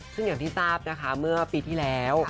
ซึ่งอย่างที่ทราบนะคะเมื่อปีที่แล้ว